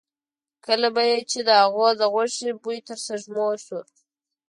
کله به یې چې د هغه د غوښې بوی تر سپېږمو شو.